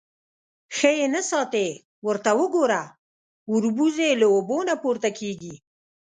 _ښه يې نه ساتې. ورته وګوره، وربوز يې له اوبو نه پورته کېږي.